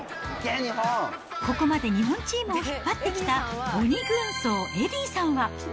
ここまで日本チームを引っ張ってきた鬼軍曹、エディーさんは。